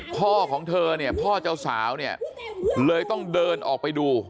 พ่อของเธอเนี่ยพ่อเจ้าสาวเนี่ยเลยต้องเดินออกไปดู